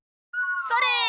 それ！